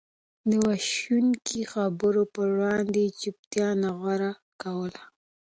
د وېشونکو خبرو پر وړاندې يې چوپتيا نه غوره کوله.